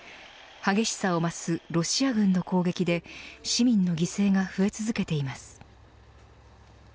激しさを増すロシア軍の攻撃で市民の犠牲が増え続けています。